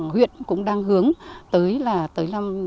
huyện cũng đang hướng tới những năm gần đây